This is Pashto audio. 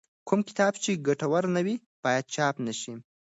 کوم کتاب چې ګټور نه وي باید چاپ نه شي.